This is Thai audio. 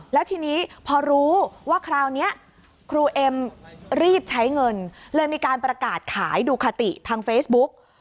แล้วทีนี้พอรู้ว่าคราวนี้ครูเอ็มรีบใช้เงินเลยมีการประกาศขายดูคาติทางเฟซบุ๊ก